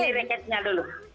ini rakyatnya dulu